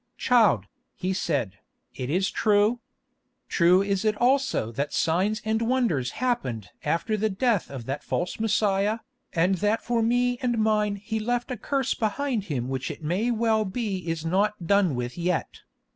"Child," he said, "it is true. True is it also that signs and wonders happened after the death of that false Messiah, and that for me and mine He left a curse behind Him which it may well be is not done with yet.